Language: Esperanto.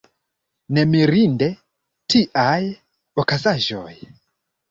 Ne mirinde, tiaj okazaĵoj!